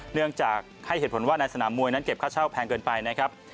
เนื่องจากให้เหตุผลว่าในสนามมวยนั้นเก็บค่าเช่าแพงเกินไปนะครับ